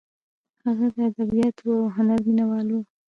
هغه د ادبیاتو او هنر مینه وال و.